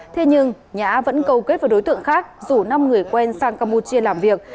thế nhưng nhã vẫn cầu kết với đối tượng khác rủ năm người quen sang campuchia làm việc